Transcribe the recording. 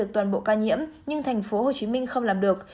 toàn bộ ca nhiễm nhưng thành phố hồ chí minh không làm được